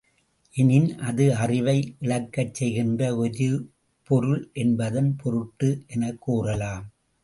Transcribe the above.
எனின், அது அறிவை இழக்கச் செய்கின்ற ஒரு பொருள் என்பதன் பொருட்டு எனக் கூறலாம்.